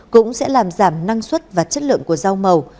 cũng sẽ làm giảm năng suất và chất lượng của rau màu